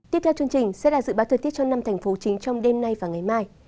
tiếp theo chương trình sẽ là dự báo thời tiết cho năm thành phố chính trong đêm nay và ngày mai